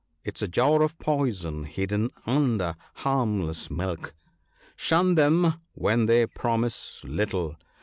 'tis a jar of poison hidden under harmless milk ; Shun them when they promise little